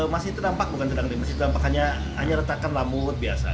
masih terdampak bukan sedang ringan hanya retakan lamut biasa